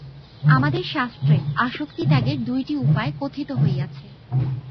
আমাদের শাস্ত্রে আসক্তি-ত্যাগের দুইটি উপায় কথিত হইয়াছে।